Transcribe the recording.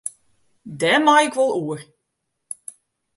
Dêr mei ik wol oer.